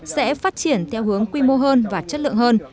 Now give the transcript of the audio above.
sẽ phát triển theo hướng quy mô hơn và chất lượng hơn